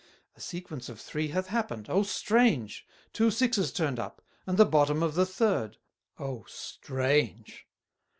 A Sequence of three hath happened, O strange! Two sixes turned up, and the bottom of the third, O strange!